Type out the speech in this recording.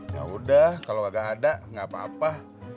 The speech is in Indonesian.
ya udah kalau gak ada nggak apa apa